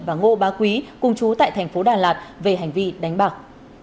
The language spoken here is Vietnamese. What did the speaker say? và ngô bá quý cùng chú tại tp đà lạt về hành vi đánh bạc